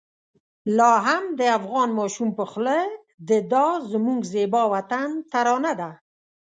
لا هم د افغان ماشوم په خوله د دا زموږ زېبا وطن ترانه ده.